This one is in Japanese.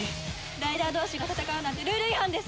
ライダー同士が戦うなんてルール違反です！